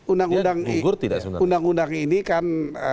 undang undang ini kan